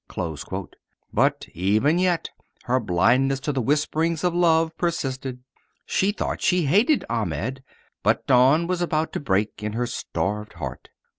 But even yet her blindness to the whispering of love persisted. She thought she hated Ahmed, but dawn was about to break in her starved heart.